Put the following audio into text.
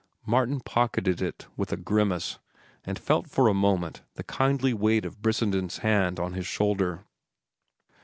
Martin pocketed it with a grimace, and felt for a moment the kindly weight of Brissenden's hand upon his shoulder.